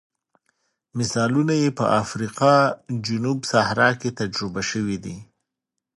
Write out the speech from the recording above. مثالونه یې په افریقا جنوب صحرا کې تجربه شوي دي.